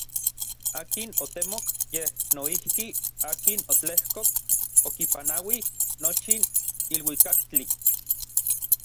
Akin otemok yej noijki akin otlejkok okipanauij nochin iluikaktli.